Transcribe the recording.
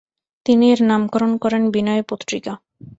তিনি এর নামকরণ করেন বিনয় পত্রিকা।